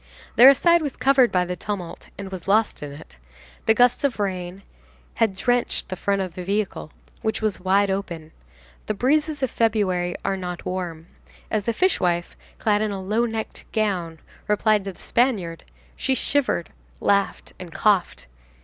Their aside was covered by the tumult and was lost in it. The gusts of rain had drenched the front of the vehicle, which was wide open; the breezes of February are not warm; as the fishwife, clad in a low necked gown, replied to the Spaniard, she shivered, laughed and coughed.